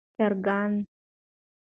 چرګان